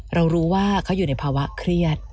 เรารู้ว่าเขาอยู่ในภาวะเครียด